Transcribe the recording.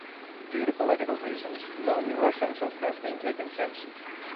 Due to political reasons, no newer census has been taken since.